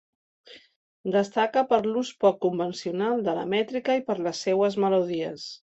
Destaca per l'ús poc convencional de la mètrica i per les seues melodies.